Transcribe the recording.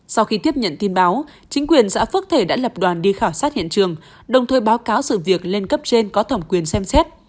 sau khi tiếp nhận tin báo chính quyền xã phước thể đã lập đoàn đi khảo sát hiện trường đồng thời báo cáo sự việc lên cấp trên có thẩm quyền xem xét